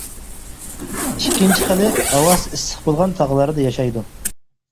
ئىككىنچى خىلى ھاۋاسى ئىسسىق بولغان تاغلاردا ياشايدۇ.